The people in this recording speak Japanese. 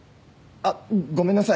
あっごめんなさい。